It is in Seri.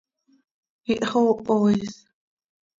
¡Ihxooho is!